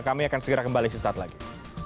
kami akan segera kembali sesaat lagi